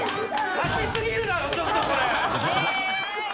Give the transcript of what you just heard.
ガチすぎるだろ、ちょっとこれ！